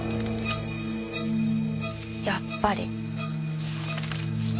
やっぱり。